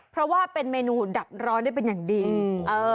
เพราะว่าเป็นเมนูดับร้อนได้เป็นอย่างดี